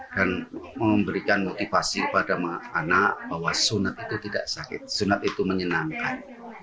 dan memberikan motivasi kepada anak bahwa sunat itu tidak sakit sunat itu menyenangkan